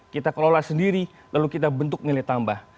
kita kelola sendiri lalu kita bentuk nilai tambah